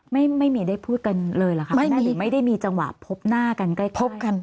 ไม่มีได้พูดกันเลยหรอค่ะไม่ได้มีจังหวะพบหน้ากันใกล้